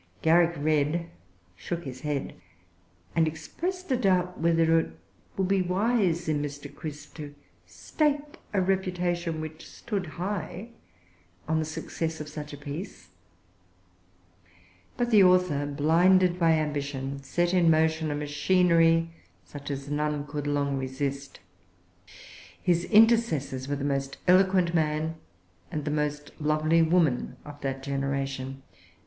Garrick read, shook his head, and expressed a doubt whether it would be wise in Mr. Crisp to stake a reputation, which stood high, on the success of such a piece. But the author, blinded by ambition, set in motion a machinery such as none could long resist. His intercessors were the most eloquent man and the most lovely woman of that generation.